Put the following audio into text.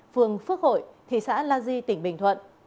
phường phước hội thị xã la di tỉnh bình thuận